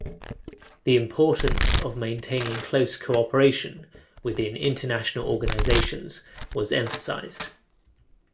The importance of maintaining close cooperation within international organizations was emphasized.